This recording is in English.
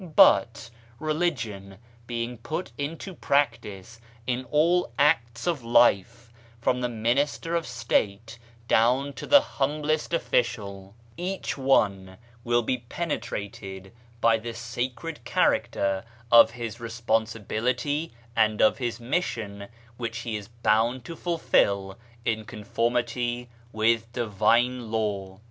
But, religion being put into practice in all acts of life, from the minister of State down to the humblest official, each one 1 In France. 1 BAHAISM AND THE STATE 113 will be penetrated by the sacred character of his responsibility and of his mission which he is bound to fulfil in conformity with divine law.